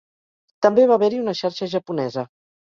També va haver-hi una xarxa japonesa.